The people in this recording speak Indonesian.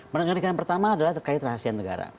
mengerikan pertama adalah terkait rahasian negara